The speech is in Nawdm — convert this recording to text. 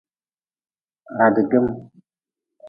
Radigm.